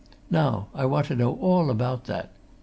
Now, I want to know all about that!